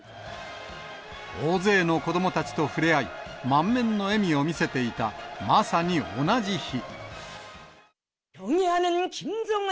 大勢の子どもたちと触れ合い、満面の笑みを見せていたまさに同じ日。